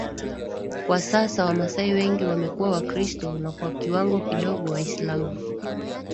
Kwa sasa Wamasai wengi wamekuwa Wakristo na kwa kiwango kidogo Waislamu